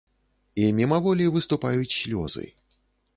І мімаволі выступаюць слёзы.